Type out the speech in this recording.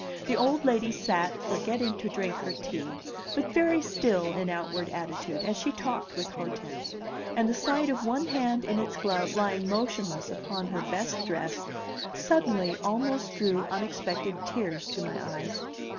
The old lady sat, forgetting to drink her tea, but very still in outward attitude, as she talked with Hortense; and the sight of one hand in its glove lying motionless upon her best dress, suddenly almost drew unexpected tears to my eyes.